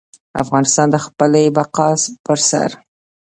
افغانستان د خپلې بقا پر سر.